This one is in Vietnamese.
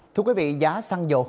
thưa quý vị giá xăng dầu